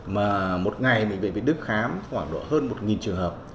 mà một ngày bệnh viện việt đức khám khoảng độ hơn một trường hợp